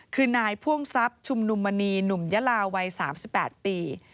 คือนายพ่วงทรัพย์ชุมนุมมณีหนุ่มยาลาวัย๓๘ปี